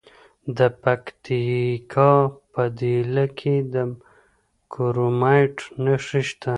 د پکتیکا په دیله کې د کرومایټ نښې شته.